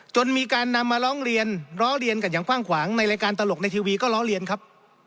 จนมีการนำมาร้องเรียนล้อเลียนกันอย่างกว้างขวางในรายการตลกในทีวีก็ล้อเลียนครับ